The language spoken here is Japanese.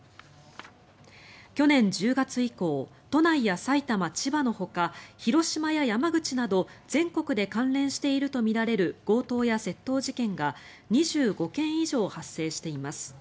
去年１０月以降都内や埼玉、千葉のほか広島や山口など全国で関連しているとみられる強盗や窃盗事件が２５件以上発生しています。